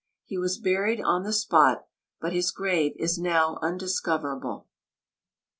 He was buried on the spot, but his grave is now undiscoverable.